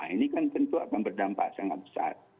ini kan tentu akan berdampak sangat besar